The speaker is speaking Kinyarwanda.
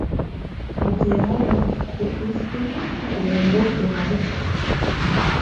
mu gihe hano ku isi turembejwe na ruswa